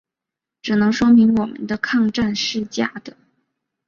只能说明我们的抗战是假的。